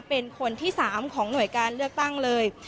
เป็นคนที่๓ของหน่วยการเลือกตั้งเลย